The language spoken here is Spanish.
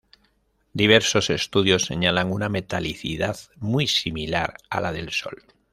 Diversos estudios señalan una metalicidad muy similar a la del Sol.